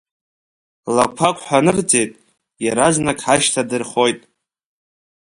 Лақәак ҳәа анырҵеит, иаразнак ҳашьҭа дырхоит!